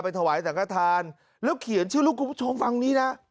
ถวายสังกฐานแล้วเขียนชื่อลูกคุณผู้ชมฟังนี้นะ